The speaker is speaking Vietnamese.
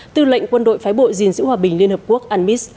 tư lệnh quân đội phái bộ dình giữ hòa bình liên hợp quốc anmis